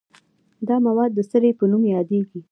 دا مواد د سرې په نوم یادیږي.